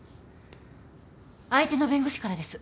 相手の弁護士からです。